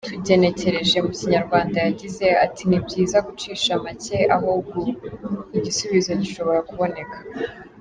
Tugenekereje mu Kinyarwanda yagize ati: “ ni byiza gucisha make aho gu……, igisubizo gishobora kuboneka.